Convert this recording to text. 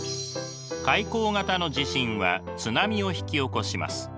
海溝型の地震は津波を引き起こします。